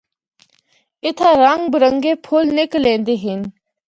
اِتھا رنگ برنگے پُھل نکل ایندے ہن۔